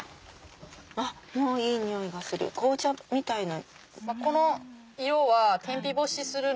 もういい匂いがする紅茶みたいな。